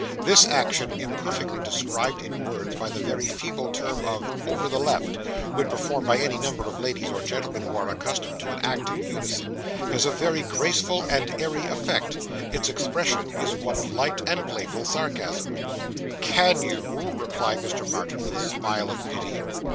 This action imperfectly described in words by the very feeble term of 'over the left,' when performed by any number of ladies or gentlemen who are accustomed to act in unison, has a very graceful and airy effect; its expression is one of light and playful sarcasm. '_Can _you!' repeated Mr. Martin, with a smile of pity.